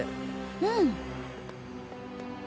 うん。